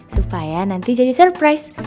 supaya nanti jadi surprise